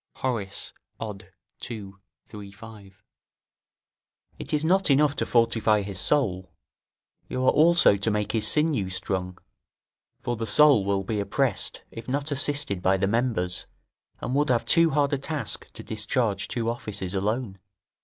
Horace, Od. ii., 3, 5.] It is not enough to fortify his soul; you are also to make his sinews strong; for the soul will be oppressed if not assisted by the members, and would have too hard a task to discharge two offices alone.